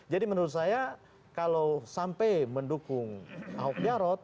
jadi menurut saya kalau sampai mendukung ahok yarot